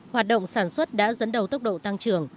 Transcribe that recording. hoạt động sản xuất đã dẫn đầu tốc độ tăng trưởng